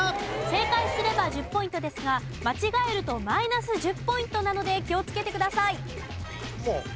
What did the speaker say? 正解すれば１０ポイントですが間違えるとマイナス１０ポイントなので気をつけてください。